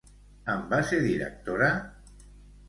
En va ser directora?